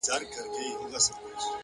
د فکر پراخوالی د ودې نښه ده